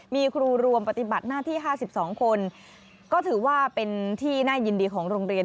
มีครูรวมปฏิบัติหน้าที่๕๒คนก็ถือว่าเป็นที่น่ายินดีของโรงเรียน